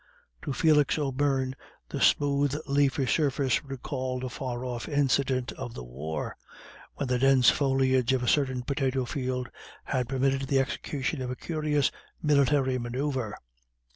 To Felix O'Beirne the smooth leafy surface recalled a far off incident of the War, when the dense foliage of a certain potato field had permitted the execution of a curious military manoeuvre.